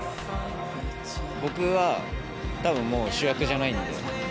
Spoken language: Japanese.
僕はたぶんもう、主役じゃないんで。